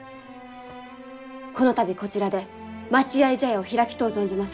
この度こちらで待合茶屋を開きとう存じます。